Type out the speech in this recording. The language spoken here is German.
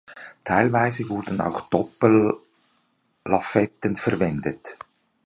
Teilweise wurden auch Doppellafetten verwendet.